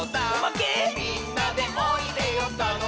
「みんなでおいでよたのしいよ」